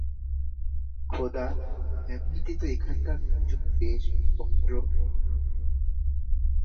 খোদা, এমনিতে তো এখানকার লোকজন বেশ ভদ্র।